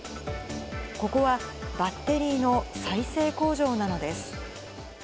ここは、バッテリーの再生工場なのです。